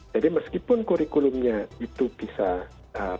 jadi meskipun kurikulumnya itu bisa berbeda